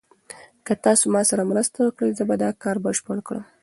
که تاسي ما سره مرسته وکړئ زه به دا کار بشپړ کړم.